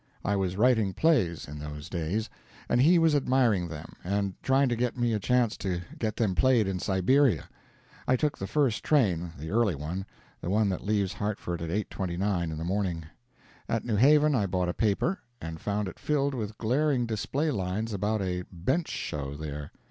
I was writing plays, in those days, and he was admiring them and trying to get me a chance to get them played in Siberia. I took the first train the early one the one that leaves Hartford at 8.29 in the morning. At New Haven I bought a paper, and found it filled with glaring display lines about a "bench show" there.